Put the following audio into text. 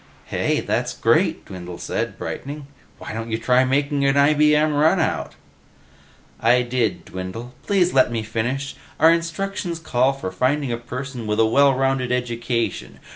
"Hey, that's great!" Dwindle said, brightening. "Why don't you try making an IBM runout?" "I did, Dwindle. Please let me finish? Our instructions call for finding a person with a well rounded education.